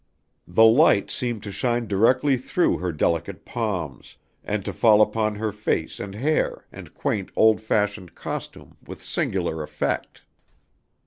The light seemed to shine directly through her delicate palms, and to fall upon her face and hair and quaint old fashioned costume with singular effect.